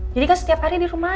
jadi kan setiap hari di rumah aja